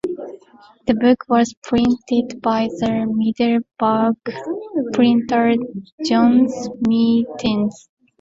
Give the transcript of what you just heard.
The book was printed by the Middelburg printer Johannes Meertens.